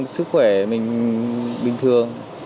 sức khỏe mình bình thường